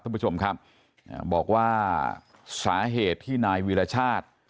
ท่านผู้ชมครับบอกว่าสาเหตุที่นายวีรชาติ